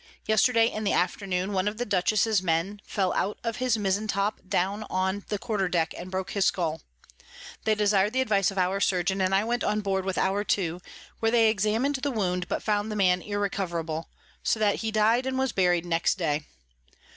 Yesterday in the Afternoon one of the Dutchess's Men fell out of the Mizen Top down on the Quarter Deck, and broke his Skull: They desir'd the Advice of our Surgeon, and I went on board with our two, where they examin'd the Wound, but found the Man irrecoverable; so that he died, and was buried next day.